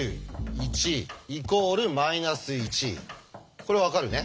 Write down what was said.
これ分かるね？